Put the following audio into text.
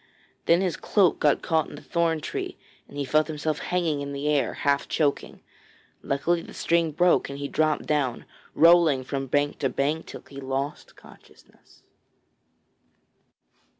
Then his cloak got caught in a thorn tree and he felt himself hanging in the air, half choking. Luckily the string broke and he dropped down, rolling from bank to bank till he lost consciousness.